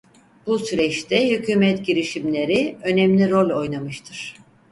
Bu süreçte hükûmet girişimleri önemli rol oynamıştır.